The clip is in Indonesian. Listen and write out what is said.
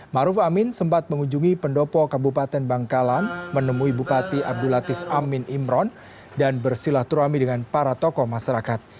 maruf amin sempat mengunjungi pendopo kabupaten bangkalan menemui bupati abdul latif amin imron dan bersilaturahmi dengan para tokoh masyarakat